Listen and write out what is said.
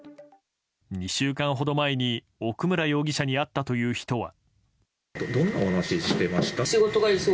２週間ほど前に奥村容疑者に会ったという人は。